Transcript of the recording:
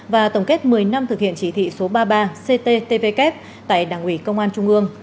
và tổng kết một mươi năm thực hiện chỉ thị số ba mươi ba cttvk tại đảng ủy công an trung ương